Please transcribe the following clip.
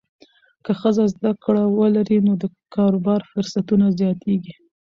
که ښځه زده کړه ولري، نو د کاروبار فرصتونه زیاتېږي.